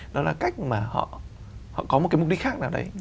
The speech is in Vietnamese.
đó là cách mà họ có một cái mục đích khác nào đấy